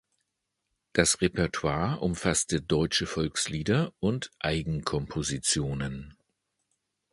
Das Repertoire umfasste deutsche Volkslieder und Eigenkompositionen.